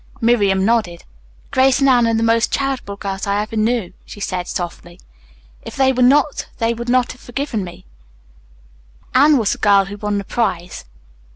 Miriam nodded. "Grace and Anne are the most charitable girls I ever knew," she said softly, "If they were not they would never have forgiven me. Anne was the girl who won the prize.